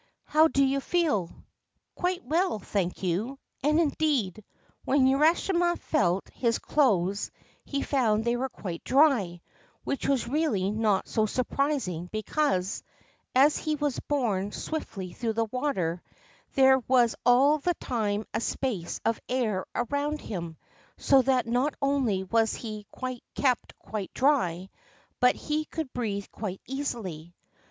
How do you feel ?'' Quite well, thank you !' And indeed, when Urashima felt his clothes he found they were quite dry, which was really not so surprising because, as he was borne swiftly through the water, there was all the time a space of air around him, so that not only was he kept quite dry, but he could breathe quite easily.